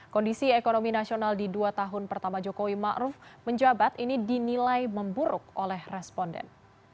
kondisi ekonomi nasional di dua tahun pertama jokowi ⁇ maruf ⁇ menjabat ini dinilai memburuk oleh responden